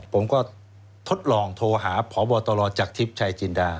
ผมก็ทดลองโทรหาพบตรจากทิพย์ชายจินดา